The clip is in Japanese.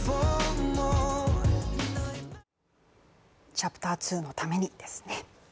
チャプター２のためにですね